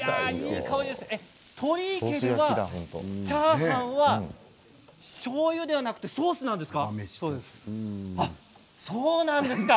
鳥居家ではチャーハンはしょうゆではなくソースなんですか？